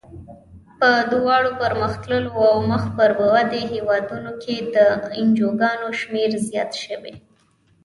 په دواړو پرمختللو او مخ پر ودې هېوادونو کې د انجوګانو شمیر زیات شوی.